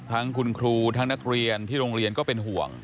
ทั้งคุณครูทั้งนักเรียนที่โรงเรียนก็เป็นห่วง